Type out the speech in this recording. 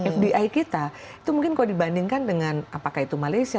fdi kita itu mungkin kalau dibandingkan dengan apakah itu malaysia